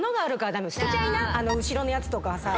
あの後ろのやつとかさ。